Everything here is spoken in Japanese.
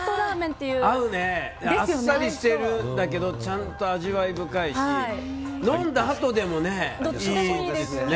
あっさりしてるんだけどちゃんと味わい深いし飲んだあとでもいいですね。